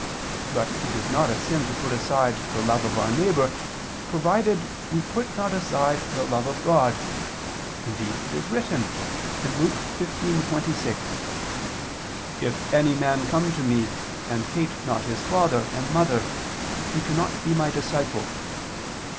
But it is not a sin to put aside the love of our neighbor, provided we put not aside the love of God; indeed, it is written (Luke 15:26): "If any man come to Me, and hate not his father, and mother ... he cannot be My disciple."